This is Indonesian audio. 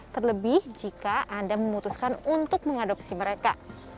terlebih jika anda memutuskan untuk mengadopsi mereka